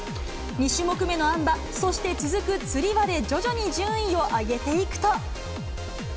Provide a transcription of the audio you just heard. ２種目目のあん馬、そして続くつり輪で徐々に順位を上げていくと。